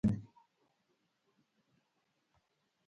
قهوه د ذهن تمرکز زیاتوي